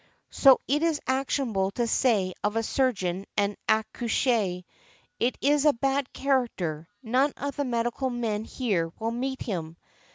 So it is actionable to say of a surgeon and accoucheur, "He is a bad character; none of the medical men here will meet him."